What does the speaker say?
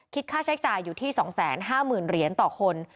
ค่าใช้จ่ายอยู่ที่๒๕๐๐๐เหรียญต่อคน